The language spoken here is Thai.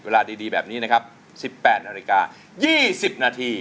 เวลาดีแบบนี้นะครับสิบแปดนาฬิกายี่สิบนาที